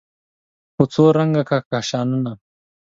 په څو رنګ کهکشانونه